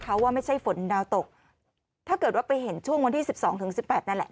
เขาว่าไม่ใช่ฝนดาวตกถ้าเกิดว่าไปเห็นช่วงวันที่๑๒๑๘นั่นแหละ